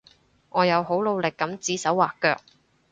我有好努力噉指手劃腳